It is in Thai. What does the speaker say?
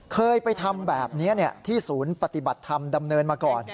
เคยไปทำแบบนี้ที่ศูนย์ปฏิบัติธรรมดำเนินมาก่อน